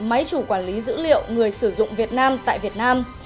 máy chủ quản lý dữ liệu người sử dụng việt nam tại việt nam